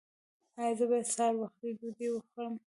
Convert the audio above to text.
ایا زه باید سهار وختي ډوډۍ وخورم؟